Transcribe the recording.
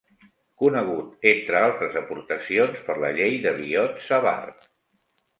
Conegut, entre altres aportacions, per la Llei de Biot-Savart.